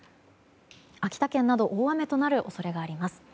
秋田県など大雨となる恐れがあります。